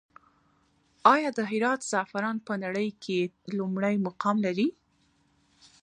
آیا د هرات زعفران په نړۍ کې لومړی مقام لري؟